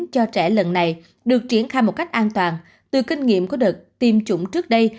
cho trẻ lần này được triển khai một cách an toàn từ kinh nghiệm của đợt tiêm chủng trước đây